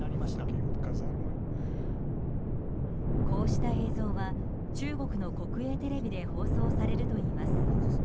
こうした映像は中国の国営テレビで放送されるといいます。